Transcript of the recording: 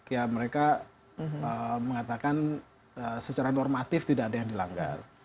ya mereka mengatakan secara normatif tidak ada yang dilanggar